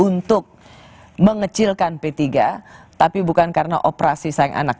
untuk mengecilkan p tiga tapi bukan karena operasi sang anak